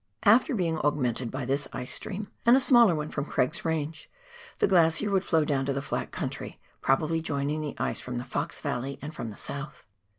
After being augmented by this ice stream, and a smaller one from Craig's Range, the glacier would flow down to the flat country, probably joining the ice from the Fox Yalley and from the south.